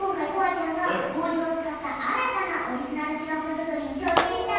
ちゃんがこうじをつかったあらたなオリジナルシロップづくりにちょうせんしたんだって。